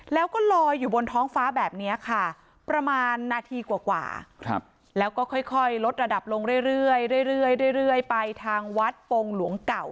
แล้วก็ลอยอยู่บนท้องฟ้าแบบนี้ค่ะประมาณนาทีกว่าแล้วก็ค่อยลดระดับลงเรื่อยไปทางวัดโปรงหลวงเก่า